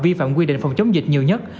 vi phạm quy định phòng chống dịch nhiều nhất